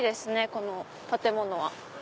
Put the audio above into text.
この建物は。